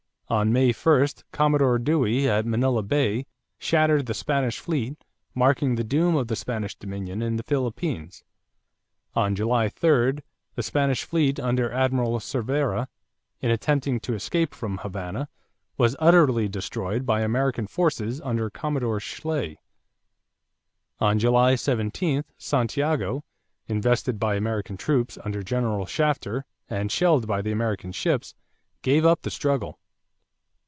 On May 1, Commodore Dewey at Manila Bay shattered the Spanish fleet, marking the doom of Spanish dominion in the Philippines. On July 3, the Spanish fleet under Admiral Cervera, in attempting to escape from Havana, was utterly destroyed by American forces under Commodore Schley. On July 17, Santiago, invested by American troops under General Shafter and shelled by the American ships, gave up the struggle.